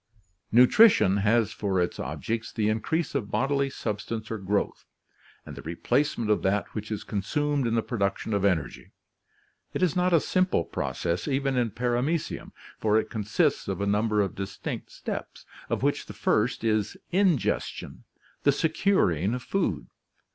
Nutrition has for its objects the increase of bodily substance or growth, and the replacement of that which is consumed in the pro duction of energy. It is not a simple process even in Paramecium, for it consists of a number of distinct steps, of which the first is ingestion, the securing of food.